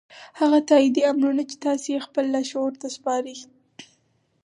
هغه تاييدي امرونه چې تاسې يې خپل لاشعور ته سپارئ.